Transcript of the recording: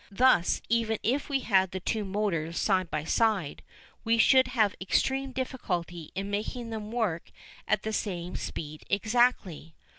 Thus, even if we had the two motors side by side, we should have extreme difficulty in making them work at the same speed exactly.